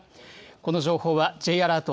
この情報は、Ｊアラート